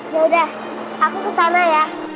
ya udah aku kesana ya